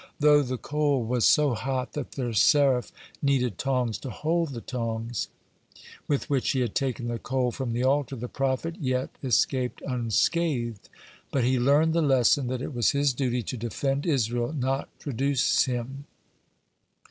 Though the coal was so hot that the seraph needed tongs to hold the tongs with which he had taken the coal from the altar, the prophet yet escaped unscathed, but he learned the lesson, that it was his duty to defend Israel, not traduce him.